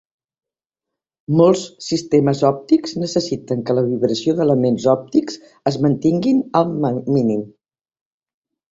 Molts sistemes òptics necessiten que la vibració d'elements òptics es mantingui al mínim.